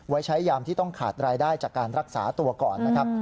ใช้ยามที่ต้องขาดรายได้จากการรักษาตัวก่อนนะครับ